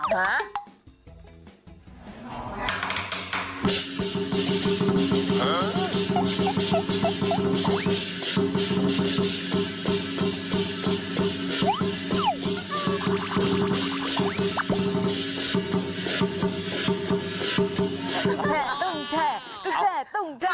ตุ้งแช่ตุ้งแช่ตุ้งแช่